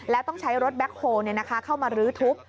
แล้วต้องใช้รถแบ็คโฮลเข้ามารื้อทุบ